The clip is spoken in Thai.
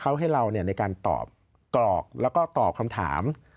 เขาให้เราในการตอบกรอกแล้วก็ตอบคำถาม